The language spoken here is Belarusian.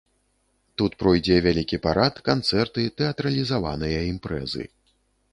Тут пройдзе вялікі парад, канцэрты, тэатралізаваныя імпрэзы.